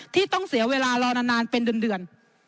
ที่ต้องเสียเวลารอนานเป็นเดือน